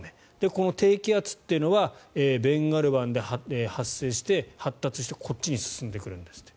この低気圧というのはベンガル湾で発生して発達してこっちに進んでくるんですって。